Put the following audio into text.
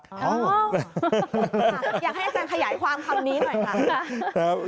อยากให้อาจารย์ขยายความคำนี้หน่อยค่ะ